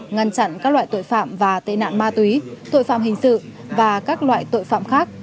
ngăn chặn các loại tội phạm và tệ nạn ma túy tội phạm hình sự và các loại tội phạm khác